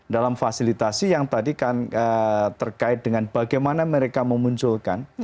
dalam fasilitasi yang tadi kan terkait dengan bagaimana mereka memunculkan